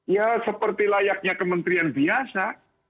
ya seperti layaknya kementerian biasa